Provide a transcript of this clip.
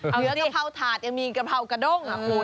เหนือกะเพราถาดยังมีกะเพรากระดง